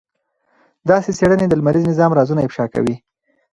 داسې څېړنې د لمریز نظام رازونه افشا کوي.